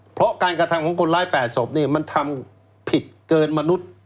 เพราะการกระทำของคนร้าย๘ศพมันทำผิดเกินมนุษย์